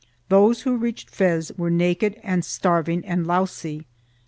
Those who reached Fez were naked and starving and lousy.